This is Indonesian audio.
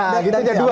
nah gitu aja dua